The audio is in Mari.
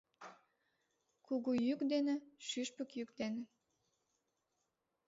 Куку йӱк ден, шӱшпык йӱк ден